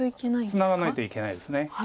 ツナがないといけないです。